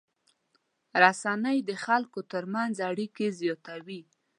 رسنۍ د خلکو تر منځ اړیکې زیاتوي.